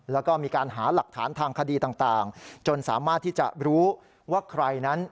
แล้วก็มีการหาหลักฐานทางคดีต่างจนสามารถที่จะรู้ว่าใครนั้น